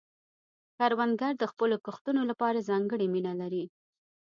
کروندګر د خپلو کښتونو لپاره ځانګړې مینه لري